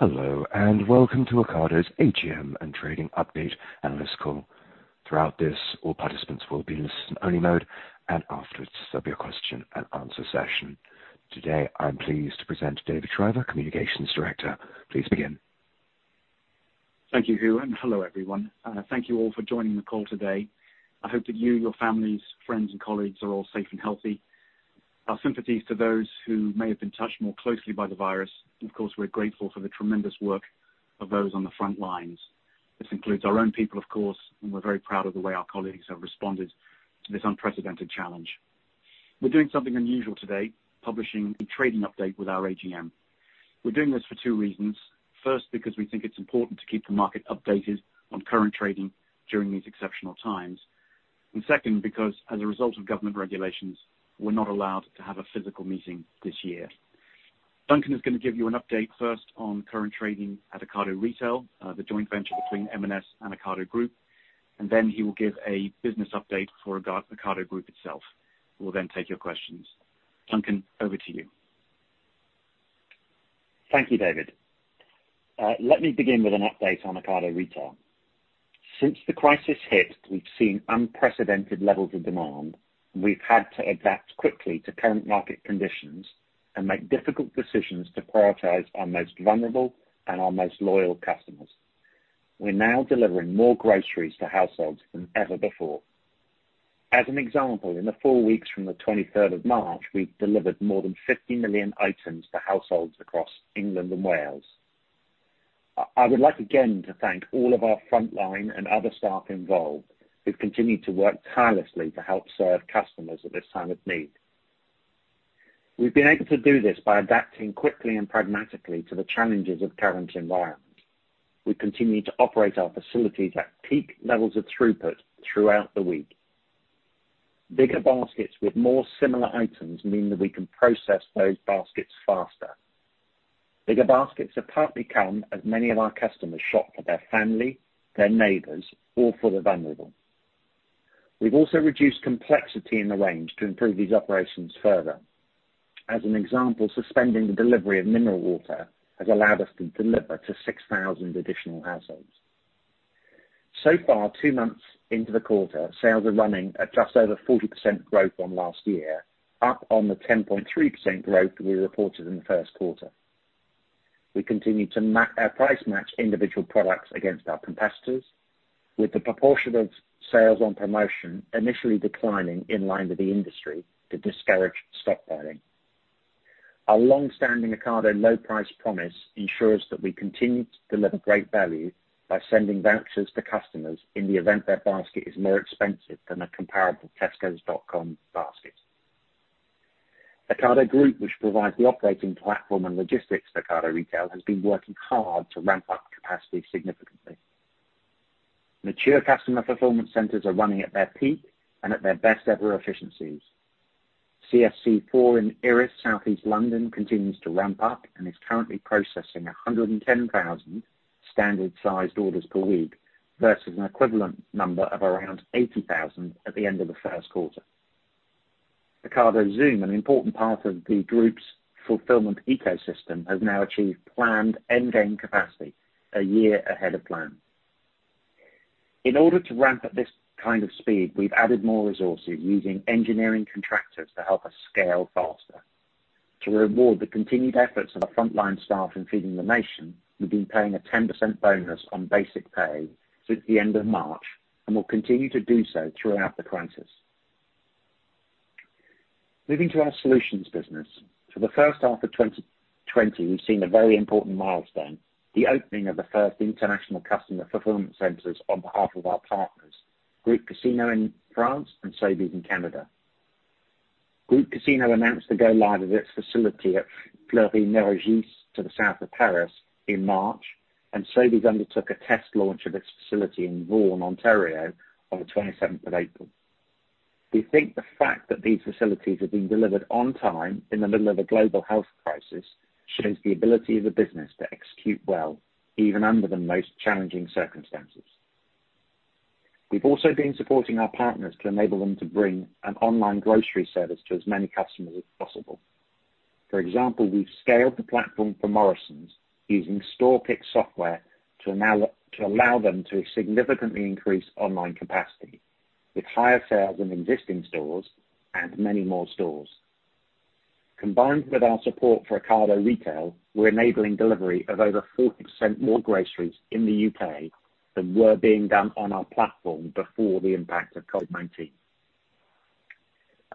Hello, and welcome to Ocado's AGM and trading update analyst call. Throughout this, all participants will be in listen-only mode, and afterwards, there'll be a question-and-answer session. Today, I'm pleased to present David Shriver, Communications Director. Please begin. Thank you, Huan, and hello everyone. Thank you all for joining the call today. I hope that you, your families, friends, and colleagues are all safe and healthy. Our sympathies to those who may have been touched more closely by the virus. Of course, we're grateful for the tremendous work of those on the front lines. This includes our own people, of course, and we're very proud of the way our colleagues have responded to this unprecedented challenge. We're doing something unusual today: publishing a trading update with our AGM. We're doing this for two reasons. First, because we think it's important to keep the market updated on current trading during these exceptional times. Second, because as a result of government regulations, we're not allowed to have a physical meeting this year. Duncan is gonna give you an update first on current trading at Ocado Retail, the joint venture between M&S and Ocado Group, and then he will give a business update for Ocado Group itself. We'll then take your questions. Duncan, over to you. Thank you, David. Let me begin with an update on Ocado Retail. Since the crisis hit, we've seen unprecedented levels of demand. We've had to adapt quickly to current market conditions and make difficult decisions to prioritize our most vulnerable and our most loyal customers. We're now delivering more groceries to households than ever before. As an example, in the four weeks from the 23rd of March, we've delivered more than 50 million items to households across England and Wales. I would like again to thank all of our frontline and other staff involved who've continued to work tirelessly to help serve customers at this time of need. We've been able to do this by adapting quickly and pragmatically to the challenges of current environments. We've continued to operate our facilities at peak levels of throughput throughout the week. Bigger baskets with more similar items mean that we can process those baskets faster. Bigger baskets have partly come as many of our customers shop for their family, their neighbors, or for the vulnerable. We have also reduced complexity in the range to improve these operations further. As an example, suspending the delivery of mineral water has allowed us to deliver to 6,000 additional households. Two months into the quarter, sales are running at just over 40% growth on last year, up on the 10.3% growth we reported in the first quarter. We continue to price-match individual products against our competitors, with the proportion of sales on promotion initially declining in line with the industry to discourage stockpiling. Our long-standing Ocado Low-Price Promise ensures that we continue to deliver great value by sending vouchers to customers in the event their basket is more expensive than a comparable Tesco.com basket. Ocado Group, which provides the operating platform and logistics for Ocado Retail, has been working hard to ramp up capacity significantly. Mature customer fulfillment centers are running at their peak and at their best-ever efficiencies. CFC4 in Erith, South-East London, continues to ramp up and is currently processing 110,000 standard-sized orders per week versus an equivalent number of around 80,000 at the end of the first quarter. Ocado Zoom, an important part of the group's fulfillment ecosystem, has now achieved planned end-game capacity a year ahead of plan. In order to ramp at this kind of speed, we've added more resources using engineering contractors to help us scale faster. To reward the continued efforts of our frontline staff in feeding the nation, we've been paying a 10% bonus on basic pay since the end of March and will continue to do so throughout the crisis. Moving to our solutions business, for the first half of 2020, we've seen a very important milestone: the opening of the first international customer fulfillment centers on behalf of our partners, Casino Group in France and Sobeys in Canada. Casino Group announced the go-live of its facility at Fleury-Mérogis to the south of Paris in March, and Sobeys undertook a test launch of its facility in Vaughan, Ontario, on the 27th of April. We think the fact that these facilities have been delivered on time in the middle of a global health crisis shows the ability of the business to execute well even under the most challenging circumstances. We've also been supporting our partners to enable them to bring an online grocery service to as many customers as possible. For example, we've scaled the platform for Morrisons using Store Pick software to allow them to significantly increase online capacity with higher sales in existing stores and many more stores. Combined with our support for Ocado Retail, we're enabling delivery of over 40% more groceries in the U.K. than were being done on our platform before the impact of COVID-19.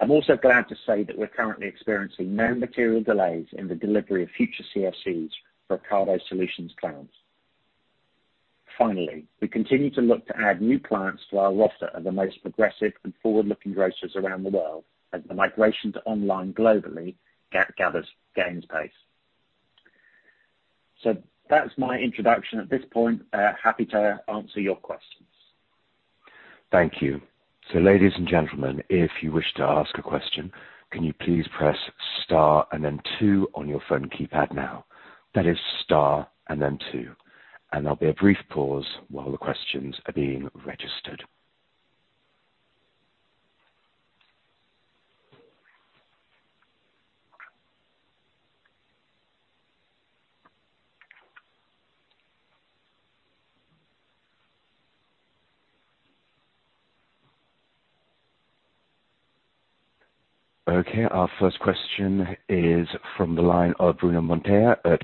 I'm also glad to say that we're currently experiencing no material delays in the delivery of future CFCs for Ocado Solutions clients. Finally, we continue to look to add new clients to our roster of the most progressive and forward-looking grocers around the world as the migration to online globally gains pace. That's my introduction at this point. Happy to answer your questions. Thank you. Ladies and gentlemen, if you wish to ask a question, can you please press Star and then Two on your phone keypad now? That is Star and then Two. There will be a brief pause while the questions are being registered. Okay. Our first question is from the line of Bruno Monteyne at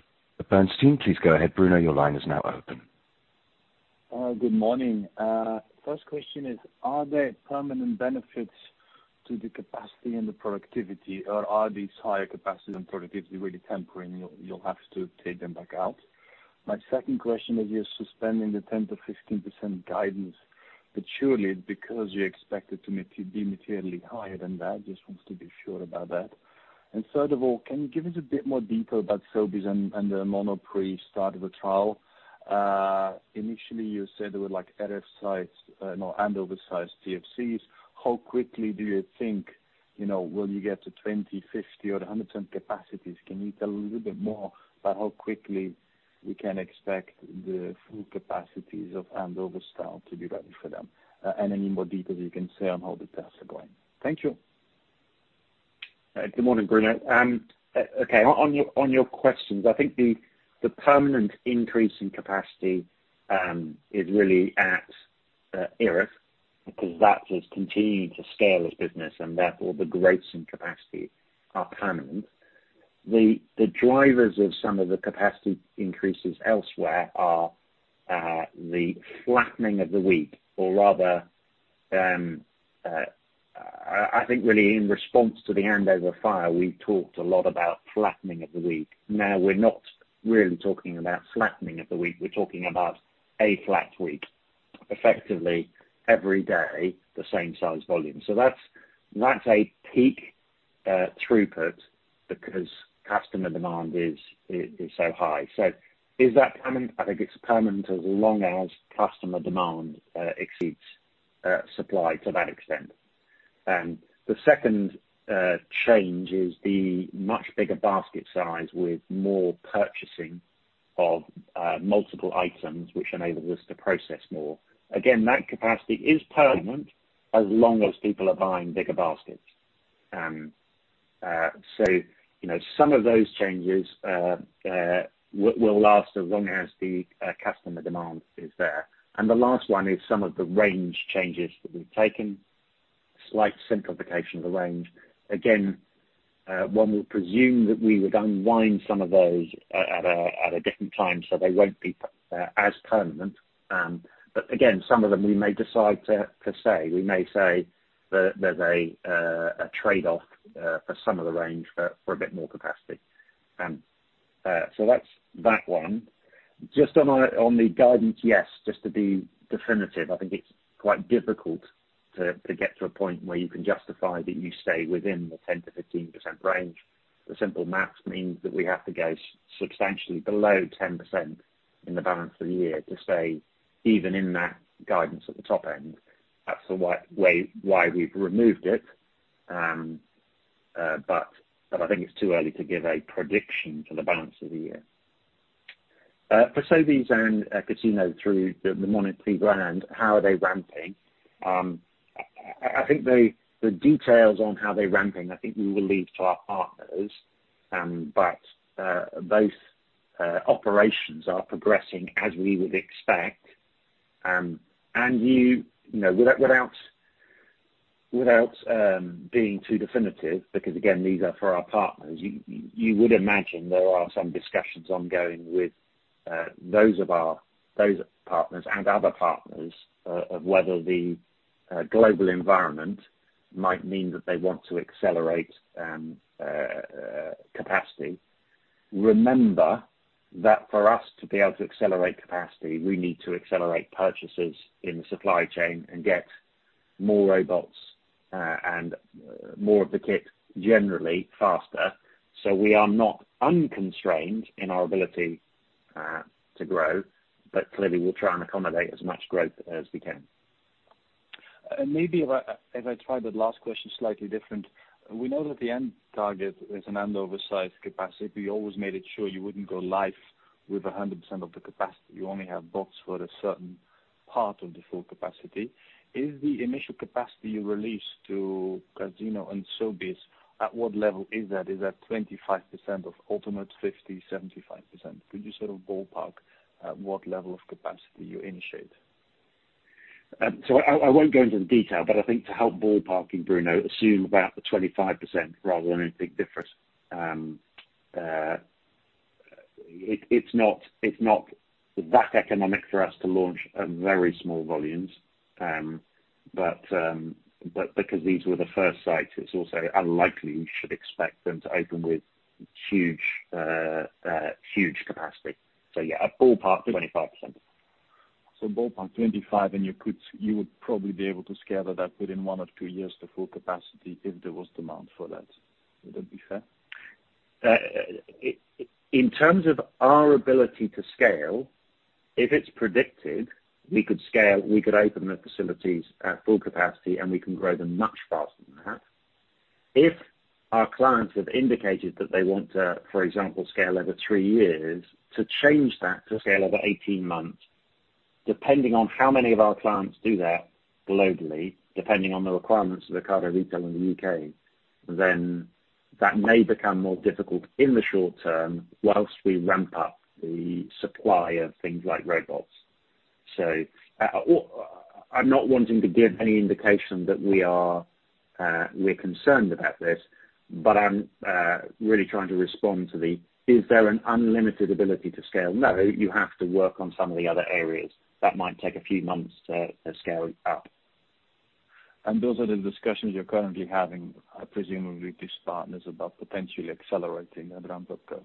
Bernstein. Please go ahead, Bruno. Your line is now open. Good morning. First question is, are there permanent benefits to the capacity and the productivity, or are these higher capacity and productivity really temporary and you'll have to take them back out? My second question is, you're suspending the 10%-15% guidance. Surely, because you expect it to be materially higher than that, just wanted to be sure about that. Third of all, can you give us a bit more detail about Sobeys and the Monoprix start of the trial? Initially, you said there were like Erith-sized, no, and Andover-sized CFCs. How quickly do you think, you know, will you get to 20%, 50%, or 100% capacities? Can you tell a little bit more about how quickly we can expect the full capacities of Andover to be ready for them? Any more details you can say on how the tests are going? Thank you. Good morning, Bruno. Okay, on your questions, I think the permanent increase in capacity is really at Erith because that is continuing to scale as business, and therefore the growth in capacity are permanent. The drivers of some of the capacity increases elsewhere are the flattening of the week, or rather, I think really in response to the Andover fire, we've talked a lot about flattening of the week. Now, we're not really talking about flattening of the week. We're talking about a flat week. Effectively, every day, the same size volume. That is a peak throughput because customer demand is so high. Is that permanent? I think it's permanent as long as customer demand exceeds supply to that extent. The second change is the much bigger basket size with more purchasing of multiple items, which enables us to process more. That capacity is permanent as long as people are buying bigger baskets. You know, some of those changes will last as long as the customer demand is there. The last one is some of the range changes that we've taken, slight simplification of the range. One would presume that we would unwind some of those at a different time, so they will not be as permanent. Again, some of them we may decide to say. We may say that they're a trade-off for some of the range for a bit more capacity. That is that one. Just on the guidance, yes, just to be definitive, I think it's quite difficult to get to a point where you can justify that you stay within the 10-15% range. The simple maths means that we have to go substantially below 10% in the balance of the year to stay even in that guidance at the top end. That is the way why we've removed it. I think it's too early to give a prediction for the balance of the year. For Sobeys and Casino through the Monoprix brand, how are they ramping? I think the details on how they're ramping, I think we will leave to our partners. Those operations are progressing as we would expect. You know, without being too definitive, because again, these are for our partners, you would imagine there are some discussions ongoing with those partners and other partners, of whether the global environment might mean that they want to accelerate capacity. Remember that for us to be able to accelerate capacity, we need to accelerate purchases in the supply chain and get more robots, and more of the kit generally faster. We are not unconstrained in our ability to grow, but clearly we'll try and accommodate as much growth as we can. Maybe if I try the last question slightly different. We know that the end target is an oversized capacity. You always made it sure you would not go live with 100% of the capacity. You only have books for a certain part of the full capacity. Is the initial capacity you release to Casino and Sobeys, at what level is that? Is that 25% of ultimate, 50, 75%? Could you sort of ballpark what level of capacity you initiate? I won't go into the detail, but I think to help ballparking, Bruno, assume about the 25% rather than anything different. It's not that economic for us to launch at very small volumes, but because these were the first sites, it's also unlikely we should expect them to open with huge, huge capacity. Yeah, a ballpark 25%. Ballpark 25, and you could, you would probably be able to scale that up within one or two years to full capacity if there was demand for that. Would that be fair? In terms of our ability to scale, if it's predicted, we could scale, we could open the facilities at full capacity, and we can grow them much faster than that. If our clients have indicated that they want to, for example, scale every three years, to change that to scale every 18 months, depending on how many of our clients do that globally, depending on the requirements of Ocado Retail in the U.K., then that may become more difficult in the short term whilst we ramp up the supply of things like robots. I'm not wanting to give any indication that we are concerned about this, but I'm really trying to respond to the, is there an unlimited ability to scale? No, you have to work on some of the other areas. That might take a few months to scale up. Those are the discussions you're currently having, presumably with these partners about potentially accelerating and ramp up growth?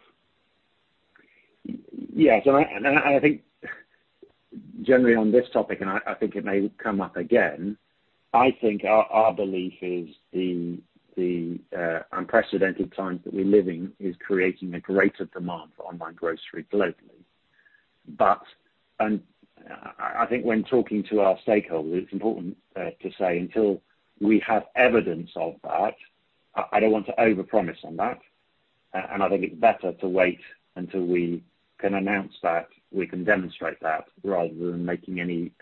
Yeah. I think generally on this topic, and I think it may come up again, I think our belief is the unprecedented time that we live in is creating a greater demand for online groceries globally. I think when talking to our stakeholders, it's important to say until we have evidence of that, I don't want to overpromise on that. I think it's better to wait until we can announce that, we can demonstrate that rather than making any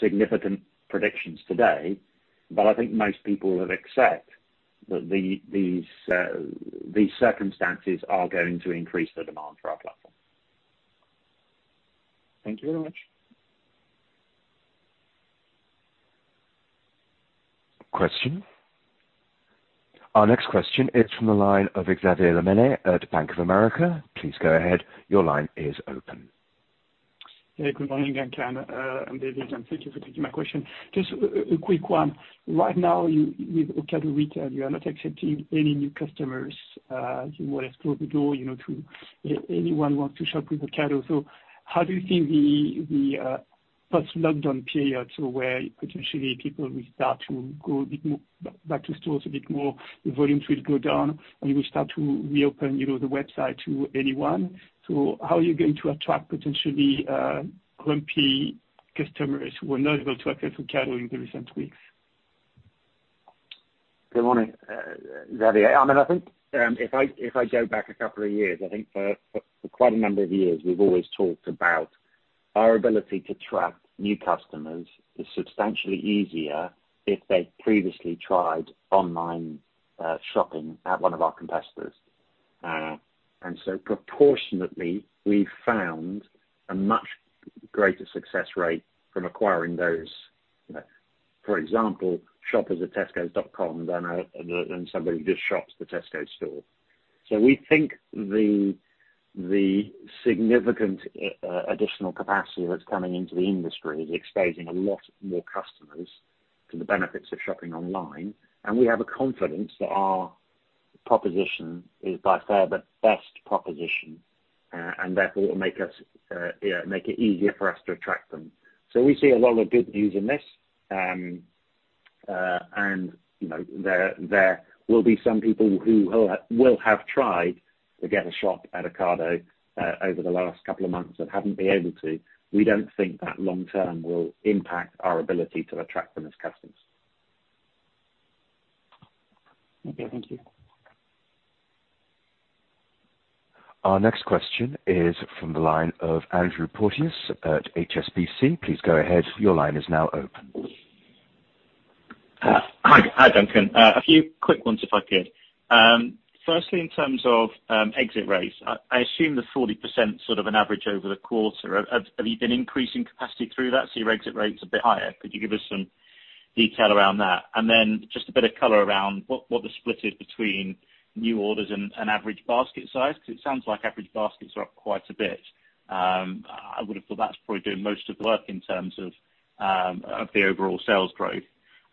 significant predictions today. I think most people have accept that these circumstances are going to increase the demand for our platform. Thank you very much. Question. Our next question is from the line of Xavier Le Mene at Bank of America. Please go ahead. Your line is open. Hey, good morning. Thank you, David, and thank you for taking my question. Just a quick one. Right now, with Ocado Retail, you are not accepting any new customers. You will have to open the door, you know, to anyone who wants to shop with Ocado. How do you think the post-lockdown period, where potentially people will start to go a bit more back to stores a bit more, the volumes will go down, and you will start to reopen, you know, the website to anyone? How are you going to attract potentially grumpy customers who are not able to access Ocado in the recent weeks? Good morning. Xavier, I mean, I think, if I go back a couple of years, I think for quite a number of years, we've always talked about our ability to track new customers is substantially easier if they've previously tried online shopping at one of our competitors. And so proportionately, we've found a much greater success rate from acquiring those, you know, for example, shop at the tesco.com than somebody who just shops the Tesco store. We think the significant additional capacity that's coming into the industry is exposing a lot more customers to the benefits of shopping online. We have a confidence that our proposition is by far the best proposition, and therefore will make us, you know, make it easier for us to attract them. We see a lot of good news in this. You know, there will be some people who will have tried to get a shop at Ocado over the last couple of months and have not been able to. We do not think that long term will impact our ability to attract them as customers. Okay. Thank you. Our next question is from the line of Andrew Porteous at HSBC. Please go ahead. Your line is now open. Hi, hi Duncan. A few quick ones if I could. Firstly, in terms of exit rates, I assume the 40% is sort of an average over the quarter. Have you been increasing capacity through that? So your exit rate's a bit higher. Could you give us some detail around that? Just a bit of color around what the split is between new orders and average basket size? Because it sounds like average baskets are up quite a bit. I would have thought that's probably doing most of the work in terms of the overall sales growth.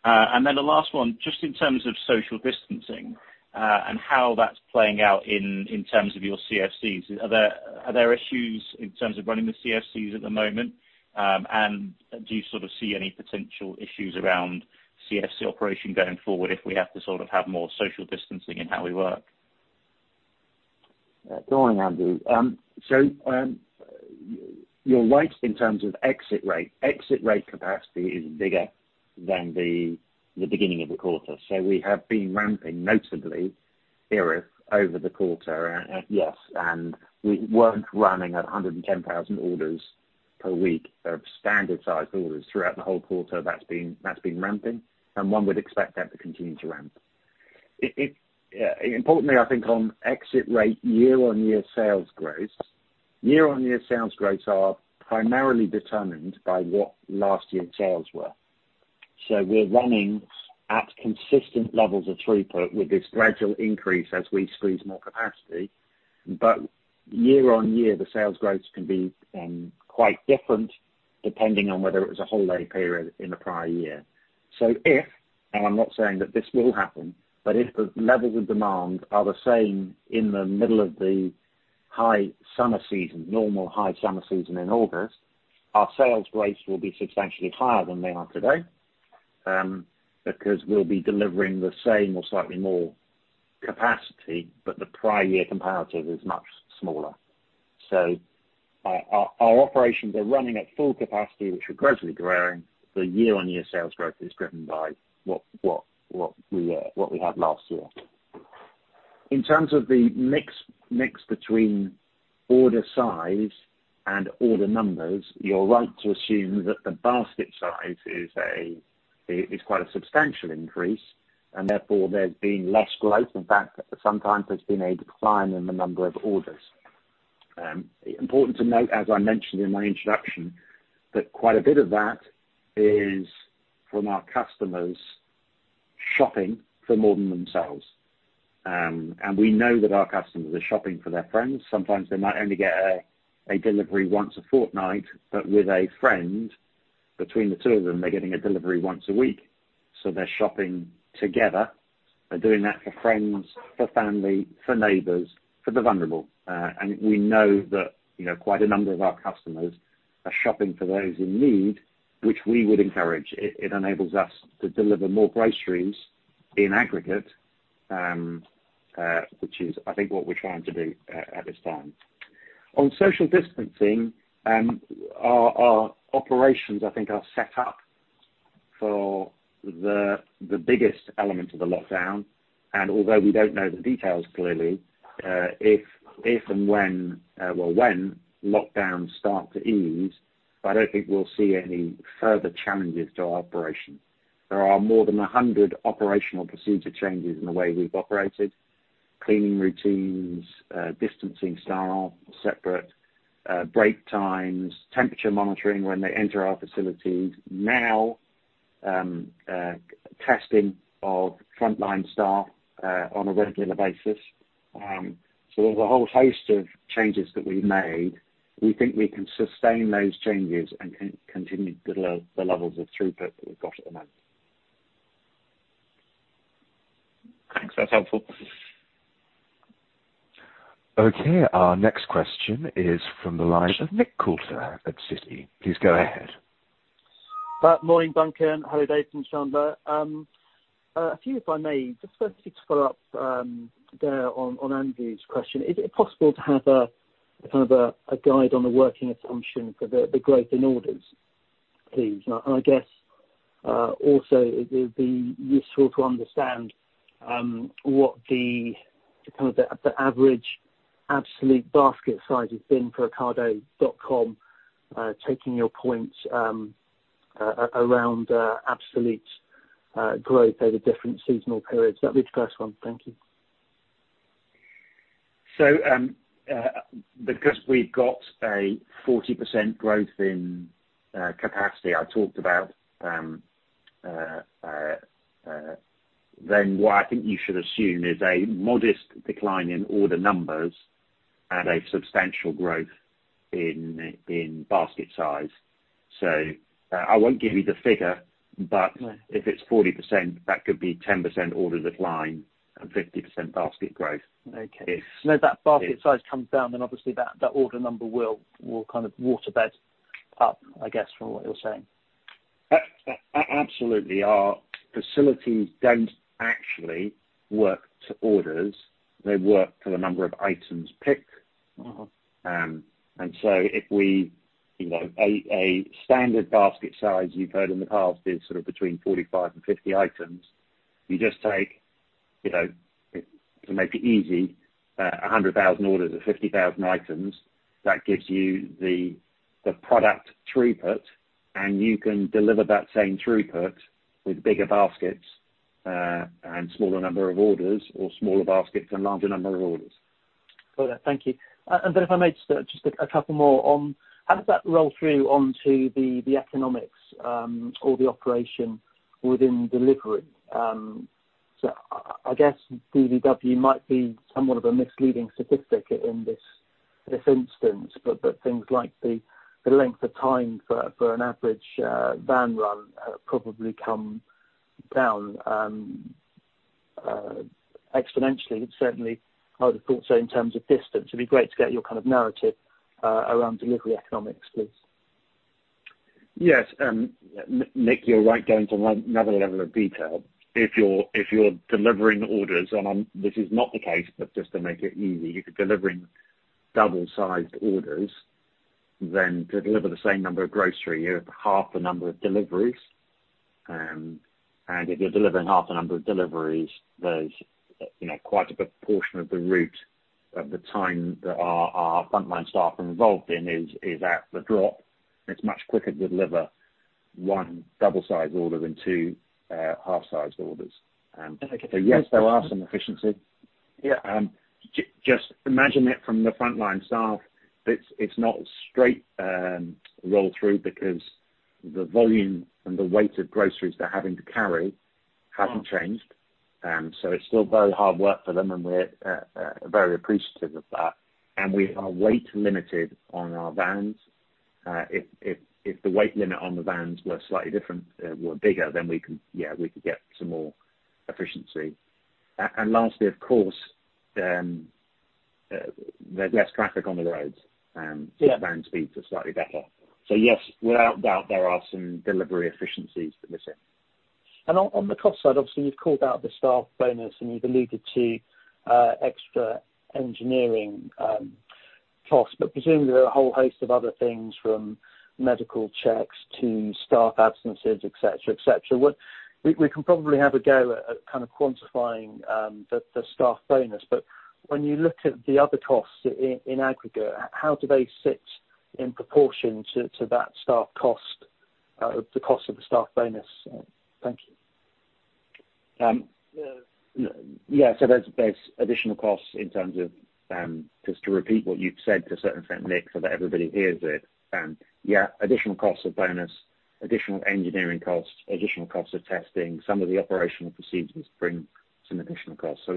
The last one, just in terms of social distancing and how that's playing out in terms of your CFCs. Are there issues in terms of running the CFCs at the moment? Do you sort of see any potential issues around CFC operation going forward if we have to sort of have more social distancing in how we work? Go on, Andrew. You're right in terms of exit rate. Exit rate capacity is bigger than the beginning of the quarter. We have been ramping notably Erith over the quarter. Yes. We were not running at 110,000 orders per week of standard sized orders throughout the whole quarter. That has been ramping, and one would expect that to continue to ramp. If, importantly, I think on exit rate, year-on-year sales growth, year-on-year sales growth are primarily determined by what last year's sales were. We are running at consistent levels of throughput with this gradual increase as we squeeze more capacity. Year-on-year, the sales growth can be quite different depending on whether it was a holiday period in the prior year. If, and I'm not saying that this will happen, but if the levels of demand are the same in the middle of the high summer season, normal high summer season in August, our sales growth will be substantially higher than they are today, because we'll be delivering the same or slightly more capacity, but the prior year comparative is much smaller. Our operations are running at full capacity, which are gradually growing. The year-on-year sales growth is driven by what we had last year. In terms of the mix, mix between order size and order numbers, you're right to assume that the basket size is a, is quite a substantial increase. Therefore there's been less growth. In fact, sometimes there's been a decline in the number of orders. Important to note, as I mentioned in my introduction, that quite a bit of that is from our customers shopping for more than themselves. And we know that our customers are shopping for their friends. Sometimes they might only get a delivery once a fortnight, but with a friend, between the two of them, they're getting a delivery once a week. They are shopping together. They are doing that for friends, for family, for neighbors, for the vulnerable. And we know that, you know, quite a number of our customers are shopping for those in need, which we would encourage. It enables us to deliver more groceries in aggregate, which is, I think, what we're trying to do at this time. On social distancing, our operations, I think, are set up for the biggest element of the lockdown. Although we don't know the details clearly, if and when, well, when lockdowns start to ease, I don't think we'll see any further challenges to our operation. There are more than 100 operational procedure changes in the way we've operated: cleaning routines, distancing staff separate, break times, temperature monitoring when they enter our facilities. Now, testing of frontline staff, on a regular basis. There is a whole host of changes that we've made. We think we can sustain those changes and contain the low, the levels of throughput that we've got at the moment. Thanks. That's helpful. Okay. Our next question is from the line of Nick Coulter at Citi. Please go ahead. Morning, Duncan. Hello, David from Stuartthwaite. A few, if I may, just firstly to follow up there on Andrew's question. Is it possible to have a kind of a guide on the working assumption for the growth in orders, please? I guess also it would be useful to understand what the kind of the average absolute basket size has been for ocado.com, taking your points around absolute growth over different seasonal periods. That would be the first one. Thank you. Because we've got a 40% growth in capacity I talked about, then what I think you should assume is a modest decline in order numbers and a substantial growth in basket size. I won't give you the figure, but if it's 40%, that could be 10% order decline and 50% basket growth. Okay. If. That basket size comes down, then obviously that order number will kind of waterbed up, I guess, from what you're saying. Absolutely. Our facilities don't actually work to orders. They work to the number of items picked. Mm-hmm. If we, you know, a standard basket size you've heard in the past is sort of between 45 and 50 items. You just take, you know, to make it easy, 100,000 orders of 50,000 items. That gives you the product throughput, and you can deliver that same throughput with bigger baskets and smaller number of orders or smaller baskets and larger number of orders. Got it. Thank you. If I may, just a couple more on how does that roll through onto the economics, or the operation within delivery? I guess DVW might be somewhat of a misleading statistic in this instance, but things like the length of time for an average van run probably come down exponentially. Certainly, I would have thought so in terms of distance. It would be great to get your kind of narrative around delivery economics, please. Yes. Nick, you're right going to another, another level of detail. If you're delivering orders, and this is not the case, but just to make it easy, if you're delivering double-sized orders, then to deliver the same number of groceries, you have half the number of deliveries. If you're delivering half the number of deliveries, there's, you know, quite a proportion of the route of the time that our frontline staff are involved in is at the drop. It's much quicker to deliver one double-sized order than two half-sized orders. Okay. Yes, there are some efficiencies. Yeah. Just imagine it from the frontline staff. It's, it's not a straight roll-through because the volume and the weight of groceries they're having to carry hasn't changed. It's still very hard work for them, and we're very appreciative of that. We are weight-limited on our vans. If the weight limit on the vans were slightly different, were bigger, then we could get some more efficiency. Lastly, of course, there's less traffic on the roads. Yeah. Van speeds are slightly better. So yes, without doubt, there are some delivery efficiencies that we're seeing. On the cost side, obviously, you've called out the staff bonus, and you've alluded to extra engineering costs. Presumably, there are a whole host of other things from medical checks to staff absences, etc., etc. What we can probably have a go at kind of quantifying is the staff bonus. When you look at the other costs in aggregate, how do they sit in proportion to that staff cost, the cost of the staff bonus? Thank you. Yeah, so there's additional costs in terms of, just to repeat what you've said to a certain extent, Nick, so that everybody hears it. Yeah, additional costs of bonus, additional engineering costs, additional costs of testing. Some of the operational procedures bring some additional costs. So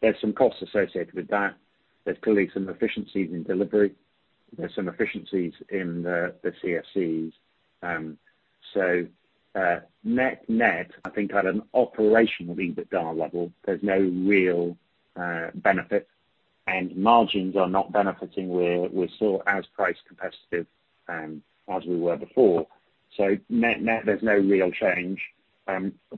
there's some costs associated with that. There's clearly some efficiencies in delivery. There's some efficiencies in the CFCs. Net, net, I think at an operational EBITDA level, there's no real benefit. And margins are not benefiting. We're still as price competitive as we were before. Net, net, there's no real change.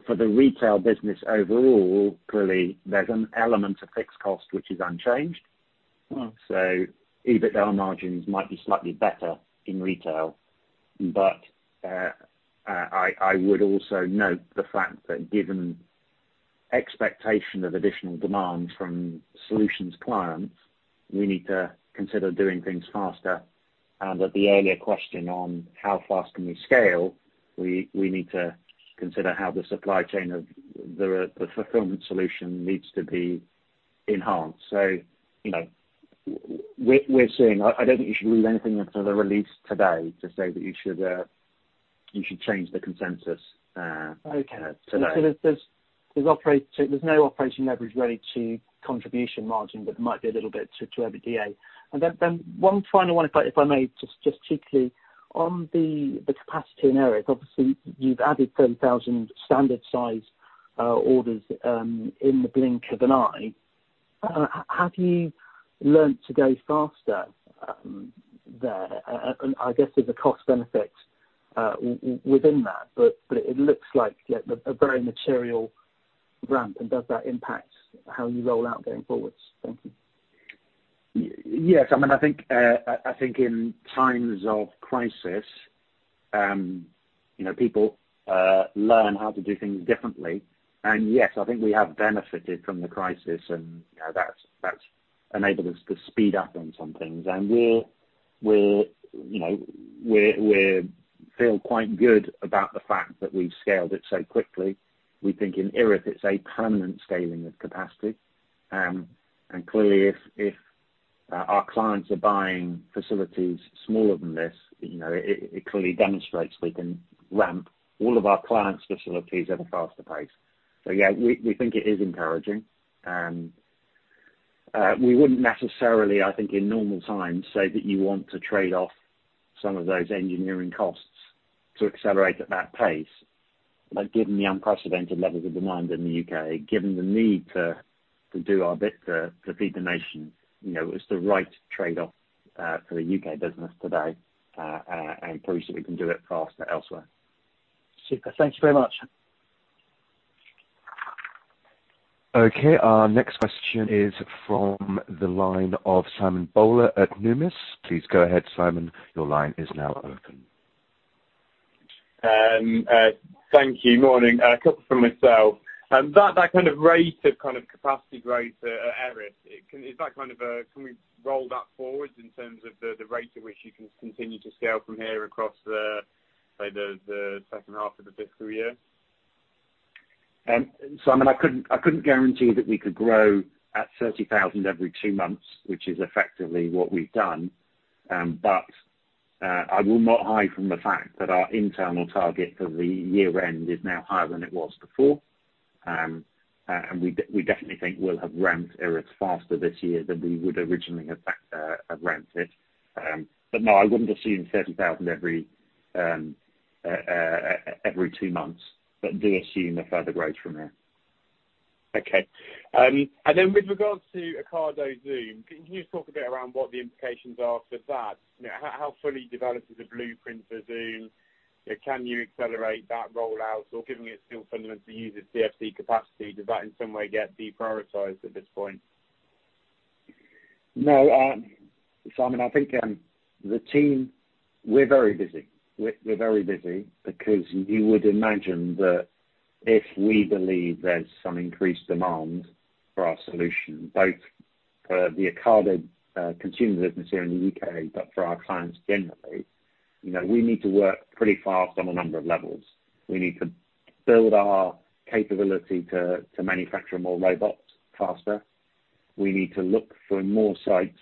For the retail business overall, clearly, there's an element of fixed cost which is unchanged. So EBITDA margins might be slightly better in retail. I would also note the fact that given expectation of additional demand from solutions clients, we need to consider doing things faster. At the earlier question on how fast can we scale, we need to consider how the supply chain of the fulfillment solution needs to be enhanced. You know, we're seeing, I don't think you should read anything into the release today to say that you should change the consensus, Okay. today. There is no operating leverage ready to contribution margin, but it might be a little bit to EBITDA. One final one, if I may, just cheekily. On the capacity in Erith, obviously, you've added 30,000 standard size orders in the blink of an eye. Have you learnt to go faster there? I guess there's a cost benefit within that, but it looks like a very material ramp. Does that impact how you roll out going forwards? Thank you. Yes. I mean, I think, I think in times of crisis, you know, people learn how to do things differently. And yes, I think we have benefited from the crisis, and, you know, that has enabled us to speed up on some things. We are, you know, we feel quite good about the fact that we have scaled it so quickly. We think in Erith, it is a permanent scaling of capacity. And clearly, if our clients are buying facilities smaller than this, it clearly demonstrates we can ramp all of our clients' facilities at a faster pace. Yeah, we think it is encouraging. We would not necessarily, I think, in normal times, say that you want to trade off some of those engineering costs to accelerate at that pace. Given the unprecedented levels of demand in the U.K., given the need to, to do our bit to, to feed the nation, you know, it's the right trade-off for the U.K. business today, and prove that we can do it faster elsewhere. Super. Thank you very much. Okay. Our next question is from the line of Simon Bowler at Numis. Please go ahead, Simon. Your line is now open. Thank you. Morning. A couple from myself. That kind of rate of capacity growth, areas, is that kind of a can we roll that forwards in terms of the rate at which you can continue to scale from here across the, say, the second half of the fiscal year? Simon, I couldn't guarantee that we could grow at 30,000 every two months, which is effectively what we've done. I will not hide from the fact that our internal target for the year-end is now higher than it was before. We definitely think we'll have ramped Erith faster this year than we would originally have ramped it. I wouldn't assume 30,000 every two months, but do assume a further growth from there. Okay. And then with regards to Ocado Zoom, can you just talk a bit around what the implications are for that? You know, how, how fully developed is the blueprint for Zoom? You know, can you accelerate that rollout? Or given it's still fundamentally used at CFC capacity, does that in some way get deprioritized at this point? No. Simon, I think the team, we're very busy. We're very busy because you would imagine that if we believe there's some increased demand for our solution, both for the Ocado consumer business here in the U.K., but for our clients generally, you know, we need to work pretty fast on a number of levels. We need to build our capability to manufacture more robots faster. We need to look for more sites,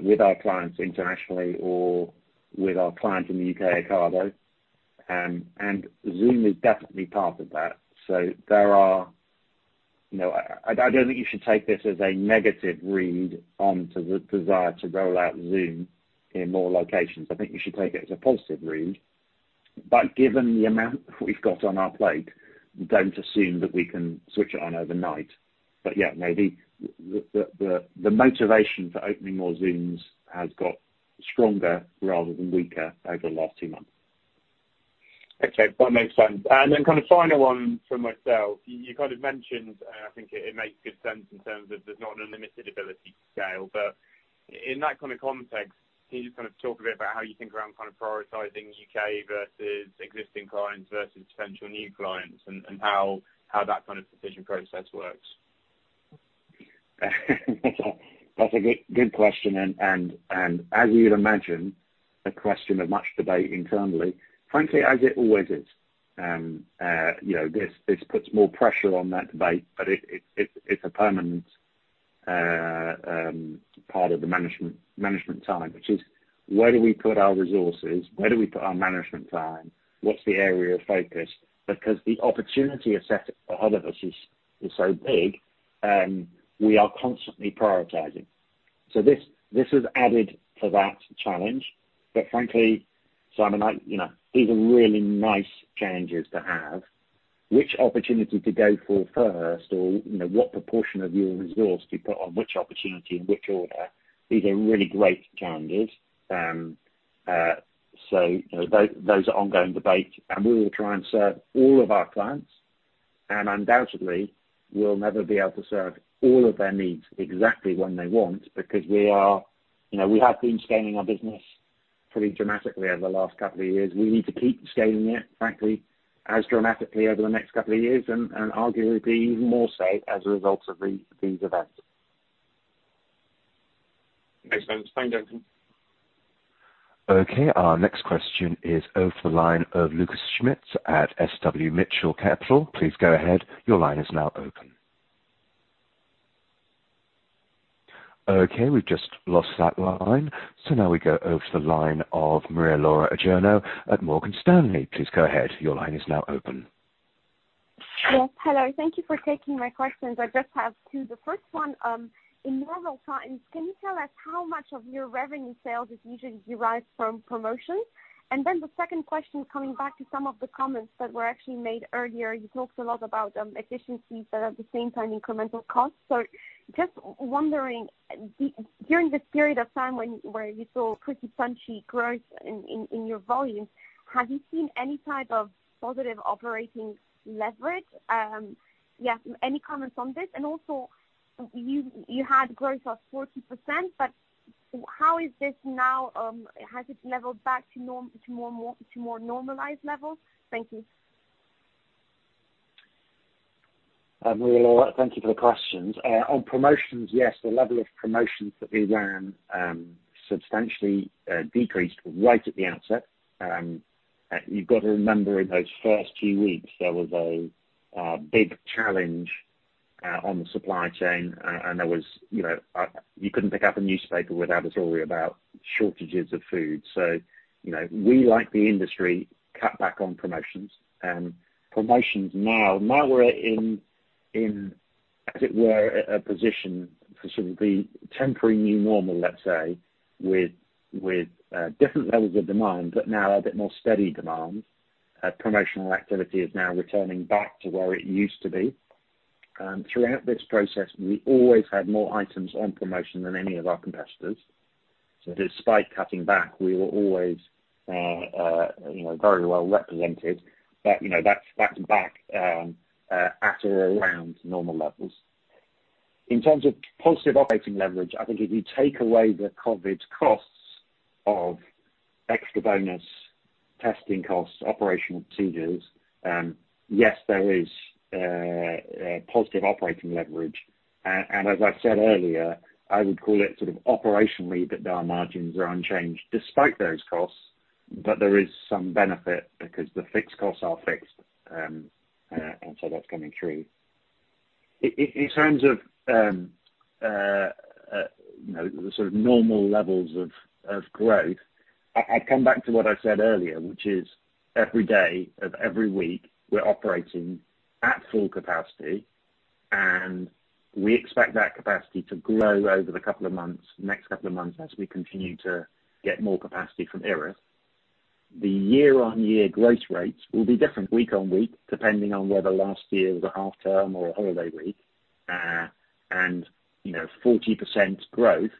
with our clients internationally or with our client in the U.K., Ocado. Zoom is definitely part of that. There are, you know, I don't think you should take this as a negative read onto the desire to roll out Zoom in more locations. I think you should take it as a positive read. Given the amount we've got on our plate, don't assume that we can switch it on overnight. Maybe the motivation for opening more Zooms has got stronger rather than weaker over the last two months. Okay. That makes sense. Final one for myself. You kind of mentioned, I think it makes good sense in terms of there's not an unlimited ability to scale. In that context, can you just talk a bit about how you think around prioritizing U.K. versus existing clients versus potential new clients and how that decision process works? That's a good, good question. And as you'd imagine, a question of much debate internally. Frankly, as it always is. You know, this puts more pressure on that debate, but it's a permanent part of the management time, which is where do we put our resources? Where do we put our management time? What's the area of focus? Because the opportunity asset ahead of us is so big, we are constantly prioritizing. This has added to that challenge. But frankly, Simon, I, you know, these are really nice challenges to have. Which opportunity to go for first or, you know, what proportion of your resource do you put on which opportunity in which order? These are really great challenges. You know, those are ongoing debates. And we will try and serve all of our clients. Undoubtedly, we'll never be able to serve all of their needs exactly when they want because we are, you know, we have been scaling our business pretty dramatically over the last couple of years. We need to keep scaling it, frankly, as dramatically over the next couple of years and, arguably even more so as a result of these events. Makes sense. Thank you. Okay. Our next question is over the line of Lukas Schmitz at SW Mitchell Capital. Please go ahead. Your line is now open. Okay. We've just lost that line. Now we go over to the line of Maria-Laura Adurno at Morgan Stanley. Please go ahead. Your line is now open. Yes. Hello. Thank you for taking my questions. I just have two. The first one, in normal times, can you tell us how much of your revenue sales is usually derived from promotions? The second question, coming back to some of the comments that were actually made earlier. You talked a lot about efficiencies, but at the same time, incremental costs. Just wondering, during this period of time when you saw pretty punchy growth in your volumes, have you seen any type of positive operating leverage? Yeah, any comments on this? Also, you had growth of 40%, but how is this now, has it leveled back to more normalized levels? Thank you. Maria Laura, thank you for the questions. On promotions, yes, the level of promotions that we ran substantially decreased right at the outset. You have got to remember in those first few weeks, there was a big challenge on the supply chain. There was, you know, you could not pick up a newspaper without a story about shortages of food. You know, we, like the industry, cut back on promotions. Promotions now, now we are in, as it were, a position for sort of the temporary new normal, let's say, with different levels of demand, but now a bit more steady demand. Promotional activity is now returning back to where it used to be. Throughout this process, we always had more items on promotion than any of our competitors. Despite cutting back, we were always, you know, very well represented. You know, that's back at or around normal levels. In terms of positive operating leverage, I think if you take away the COVID costs of extra bonus, testing costs, operational procedures, yes, there is positive operating leverage. As I've said earlier, I would call it sort of operationally that our margins are unchanged despite those costs, but there is some benefit because the fixed costs are fixed, and so that's coming through. In terms of, you know, the sort of normal levels of growth, I'd come back to what I said earlier, which is every day of every week, we're operating at full capacity, and we expect that capacity to grow over the next couple of months as we continue to get more capacity from Erith. The year-on-year growth rates will be different week on week, depending on whether last year was a half-term or a holiday week. You know, 40% growth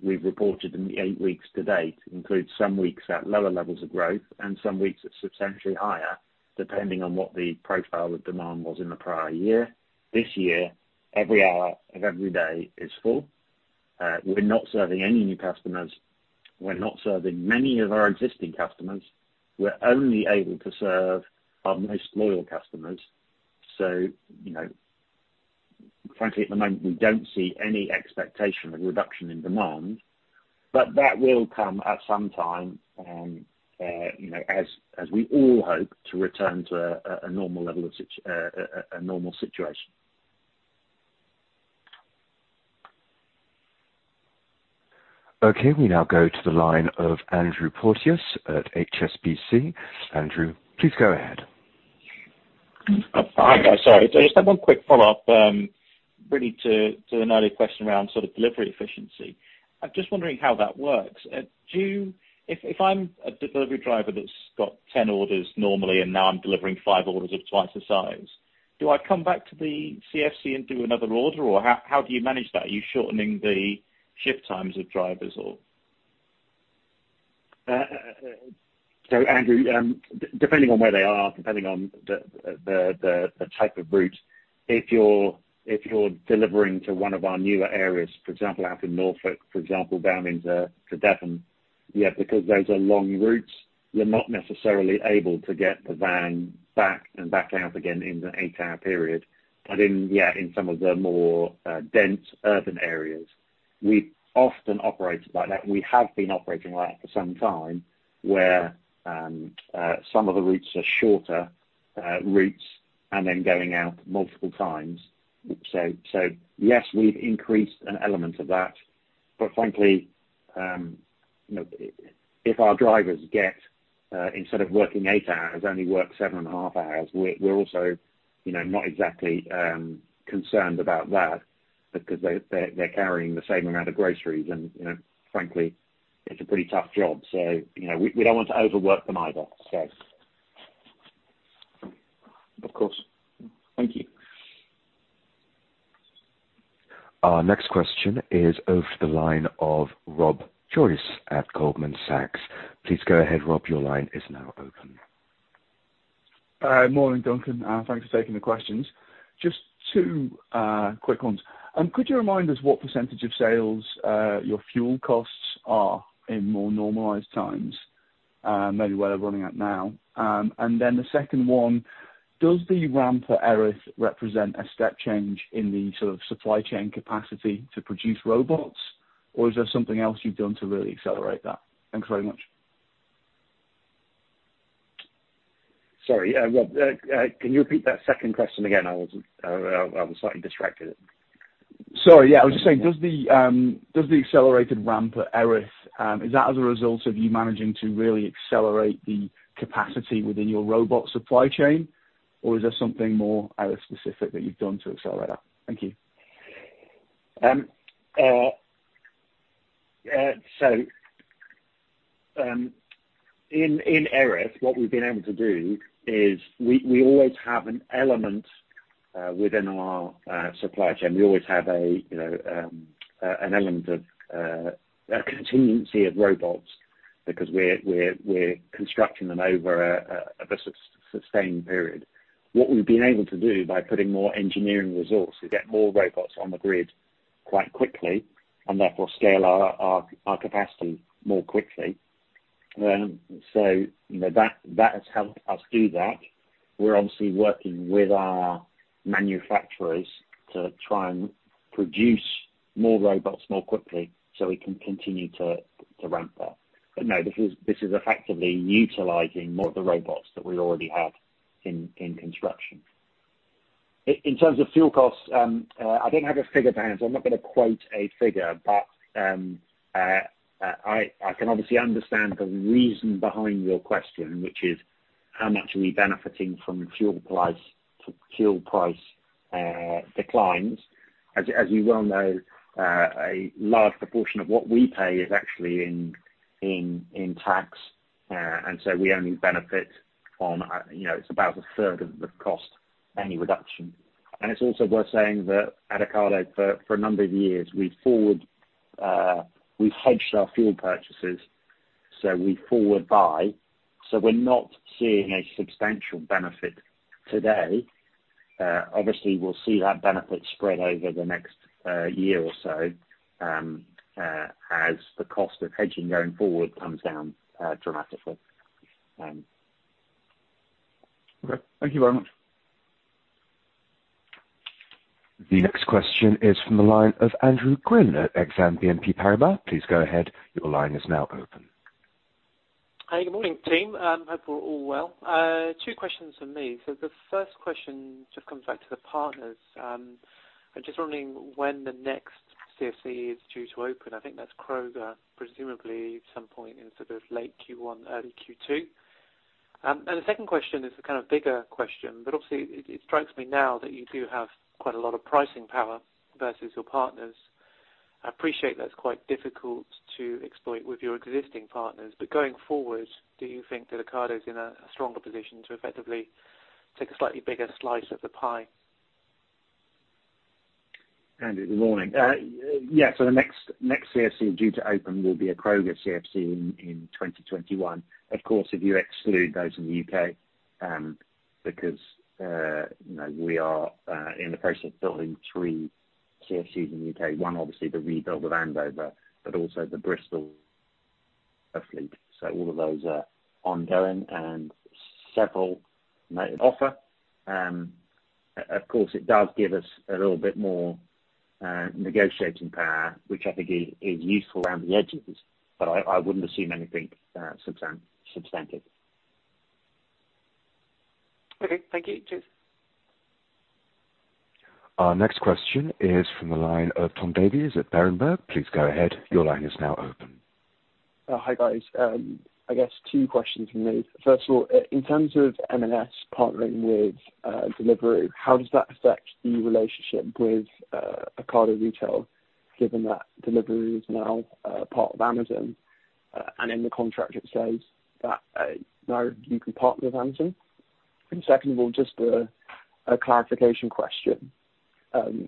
we've reported in the eight weeks to date includes some weeks at lower levels of growth and some weeks at substantially higher, depending on what the profile of demand was in the prior year. This year, every hour of every day is full. We're not serving any new customers. We're not serving many of our existing customers. We're only able to serve our most loyal customers. You know, frankly, at the moment, we don't see any expectation of reduction in demand, but that will come at some time, you know, as we all hope to return to a normal level of, a normal situation. Okay. We now go to the line of Andrew Porteous at HSBC. Andrew, please go ahead. Hi, guys. Sorry. Just have one quick follow-up, really to an earlier question around sort of delivery efficiency. I'm just wondering how that works. If I'm a delivery driver that's got 10 orders normally and now I'm delivering 5 orders of twice the size, do I come back to the CFC and do another order, or how do you manage that? Are you shortening the shift times of drivers, or? Andrew, depending on where they are, depending on the type of route, if you're delivering to one of our newer areas, for example, out in Norfolk, for example, down into Devon, because those are long routes, you're not necessarily able to get the van back and back out again in the eight-hour period. In some of the more dense urban areas, we often operate like that. We have been operating like that for some time where some of the routes are shorter routes, and then going out multiple times. Yes, we've increased an element of that. Frankly, you know, if our drivers get, instead of working eight hours, only work seven and a half hours, we're also, you know, not exactly concerned about that because they're carrying the same amount of groceries. You know, frankly, it's a pretty tough job. You know, we do not want to overwork them either, so. Of course. Thank you. Our next question is over the line of Rob Joyce at Goldman Sachs. Please go ahead. Rob, your line is now open. Morning, Duncan. Thanks for taking the questions. Just two, quick ones. Could you remind us what % of sales your fuel costs are in more normalized times, maybe while we're running out now? And then the second one, does the ramp for Erith represent a step change in the sort of supply chain capacity to produce robots, or is there something else you've done to really accelerate that? Thanks very much. Sorry. Rob, can you repeat that second question again? I was slightly distracted. Sorry. Yeah. I was just saying, does the, does the accelerated ramp for Erith, is that as a result of you managing to really accelerate the capacity within your robot supply chain, or is there something more Erith-specific that you've done to accelerate that? Thank you. In Erith, what we've been able to do is we always have an element within our supply chain. We always have, you know, an element of a contingency of robots because we're constructing them over a sustained period. What we've been able to do by putting more engineering resources is get more robots on the grid quite quickly, and therefore scale our capacity more quickly. You know, that has helped us do that. We're obviously working with our manufacturers to try and produce more robots more quickly so we can continue to ramp that. No, this is effectively utilizing the robots that we already have in construction. In terms of fuel costs, I don't have a figure to hand, so I'm not going to quote a figure. I can obviously understand the reason behind your question, which is how much are we benefiting from fuel price declines. As you well know, a large proportion of what we pay is actually in tax, and so we only benefit on, you know, it's about a third of the cost, any reduction. It's also worth saying that at Ocado, for a number of years, we've hedged our fuel purchases, so we forward buy. We're not seeing a substantial benefit today. Obviously, we'll see that benefit spread over the next year or so, as the cost of hedging going forward comes down dramatically. Okay. Thank you very much. The next question is from the line of Andrew Gwynn at BNP Paribas. Please go ahead. Your line is now open. Hi. Good morning, team. Hope you're all well. Two questions for me. The first question just comes back to the partners. I'm just wondering when the next CFC is due to open. I think that's Kroger, presumably at some point in sort of late Q1, early Q2. The second question is the kind of bigger question, but obviously, it strikes me now that you do have quite a lot of pricing power versus your partners. I appreciate that it's quite difficult to exploit with your existing partners, but going forward, do you think that Ocado's in a stronger position to effectively take a slightly bigger slice of the pie? Andrew, good morning. Yeah. The next CFC due to open will be a Kroger CFC in 2021, of course, if you exclude those in the U.K., because, you know, we are in the process of building three CFCs in the U.K. One, obviously, the rebuild of Andover, but also the Bristol and Purfleet. All of those are ongoing and several number of offers. Of course, it does give us a little bit more negotiating power, which I think is useful around the edges, but I wouldn't assume anything substantive. Okay. Thank you. Cheers. Our next question is from the line of Tom Davies at Berenberg. Please go ahead. Your line is now open. Hi, guys. I guess two questions for me. First of all, in terms of M&S partnering with Deliveroo, how does that affect the relationship with Ocado Retail, given that Deliveroo is now part of Amazon, and in the contract it says that now you can partner with Amazon? Second of all, just a clarification question.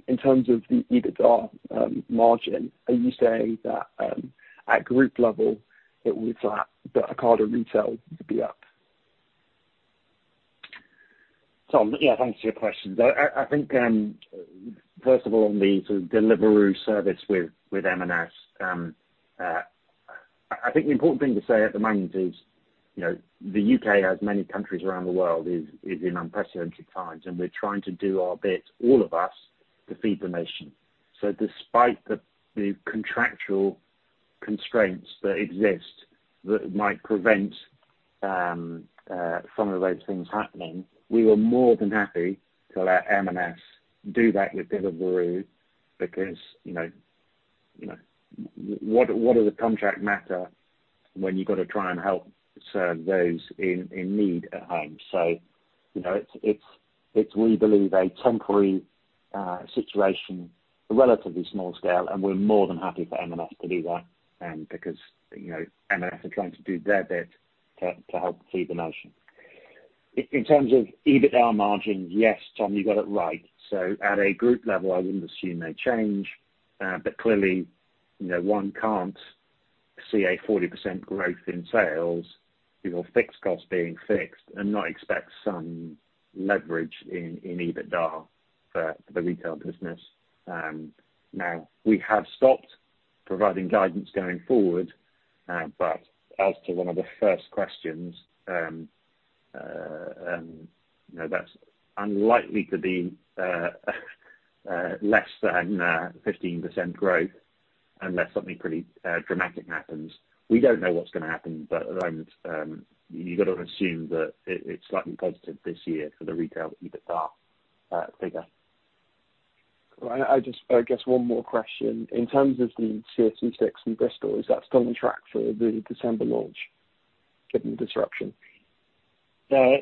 In terms of the EBITDA margin, are you saying that at group level, it will be flat, but Ocado Retail will be up? Tom, yeah, thanks for your questions. I think, first of all, on the sort of Delivery service with M&S, I think the important thing to say at the moment is, you know, the U.K., as many countries around the world, is in unprecedented times, and we're trying to do our bit, all of us, to feed the nation. Despite the contractual constraints that exist that might prevent some of those things happening, we were more than happy to let M&S do that with Delivery because, you know, you know, what does a contract matter when you've got to try and help serve those in need at home? You know, it's, it's, we believe a temporary situation, relatively small scale, and we're more than happy for M&S to do that, because, you know, M&S are trying to do their bit to help feed the nation. In terms of EBITDA margin, yes, Tom, you got it right. At a group level, I wouldn't assume they change, but clearly, you know, one can't see a 40% growth in sales with your fixed costs being fixed and not expect some leverage in EBITDA for the retail business. Now, we have stopped providing guidance going forward, but as to one of the first questions, you know, that's unlikely to be less than 15% growth unless something pretty dramatic happens. We don't know what's going to happen. At the moment, you've got to assume that it's slightly positive this year for the retail EBITDA figure. Right. I just, I guess, one more question. In terms of the CFC fix in Bristol, is that still on track for the December launch given the disruption? Yeah,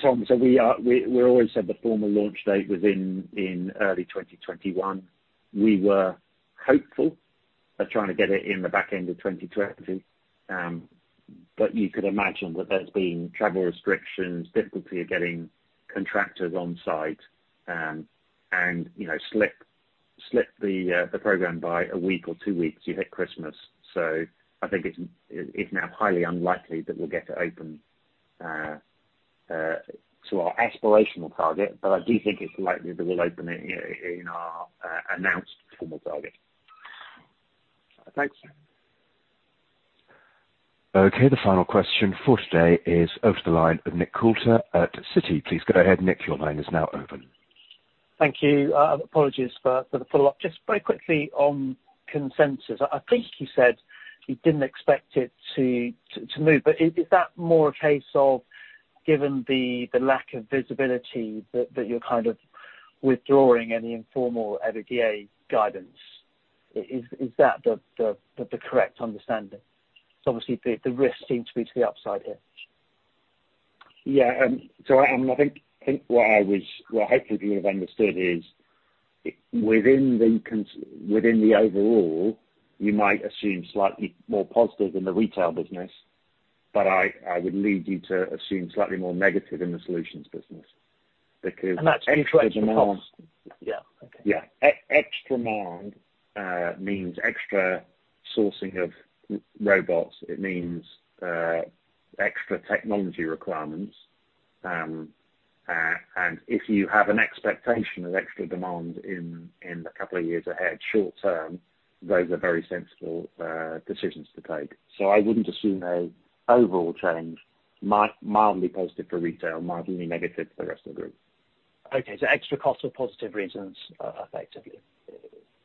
Tom. We always said the formal launch date was in early 2021. We were hopeful of trying to get it in the back end of 2020, but you could imagine that there's been travel restrictions, difficulty of getting contractors onsite, and, you know, slip the program by a week or two weeks. You hit Christmas. I think it's now highly unlikely that we'll get it open to our aspirational target, but I do think it's likely that we'll open it in our announced formal target. Thanks. Okay. The final question for today is over the line of Nick Coulter at Citi. Please go ahead, Nick. Your line is now open. Thank you. Apologies for the follow-up. Just very quickly on consensus. I think you said you did not expect it to move, but is that more a case of, given the lack of visibility, that you are kind of withdrawing any informal everyday guidance? Is that the correct understanding? 'Cause obviously, the risks seem to be to the upside here. Yeah, so I mean, I think what I was, what hopefully people have understood is, within the cons, within the overall, you might assume slightly more positive in the retail business, but I would lead you to assume slightly more negative in the solutions business because extra demand. That's inflation? Yeah. Okay. Yeah. Extra demand means extra sourcing of robots. It means extra technology requirements. If you have an expectation of extra demand in a couple of years ahead, short term, those are very sensible decisions to take. I would not assume an overall change, might mildly positive for retail, mildly negative for the rest of the group. Okay. Extra costs for positive reasons, effectively.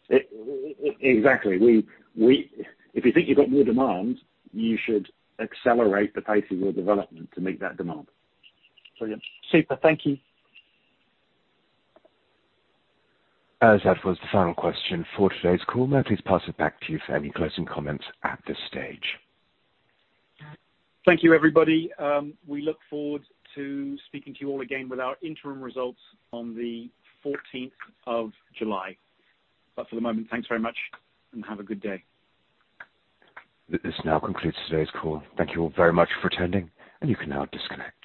It exactly. We, we if you think you've got more demand, you should accelerate the pace of your development to meet that demand. Brilliant. Super. Thank you. As that was the final question for today's call, may I please pass it back to you for any closing comments at this stage? Thank you, everybody. We look forward to speaking to you all again with our interim results on the 14th of July. For the moment, thanks very much, and have a good day. This now concludes today's call. Thank you all very much for attending, and you can now disconnect.